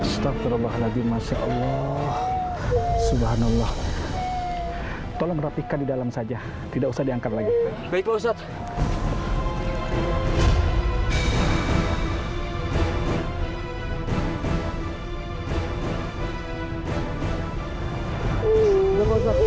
saya lagi masih allah subhanallah tolong rapihkan di dalam saja tidak usah diangkat lagi hoykuaa i postat itu di titip susah patch iya setelah pesawatmu ini gahhh keren